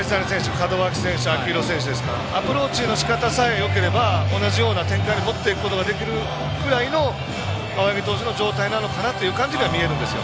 門脇選手、秋広選手ですかアプローチのしかたさえよければ同じような展開に持っていけるくらいの青柳投手の状態なのかなと見えるんですよ。